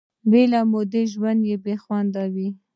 بي له موره ژوند بي خونده وي